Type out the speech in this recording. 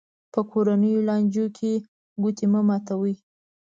په کورنیو لانجو کې ګوتې مه ماتوي.